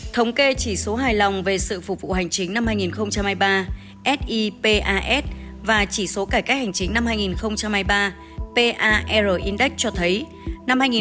thống kê chỉ số hài lòng về sự phục vụ hành chính năm hai nghìn hai mươi ba sipas và chỉ số cải cách hành chính năm hai nghìn hai mươi ba pari index cho thấy